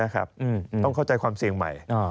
คุณผู้ชมหาเงินเย็นเอาไว้นะ